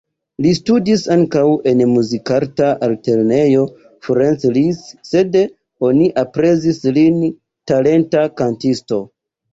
Li studis ankaŭ en Muzikarta Altlernejo Ferenc Liszt, sed oni aprezis lin talenta kantisto.